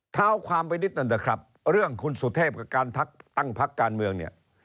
เท้าความไปนิดหนึ่งนะครับเรื่องคุณสุเทพกับการตั้งพักการเมืองเนี่ย